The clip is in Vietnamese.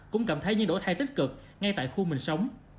cũng cảm thấy những đổi thay tích cực ngay tại khu mình sống